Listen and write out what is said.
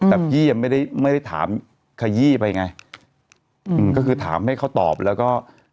แต่พี่ยังไม่ได้ไม่ได้ถามขยี้ไปไงอืมก็คือถามให้เขาตอบแล้วก็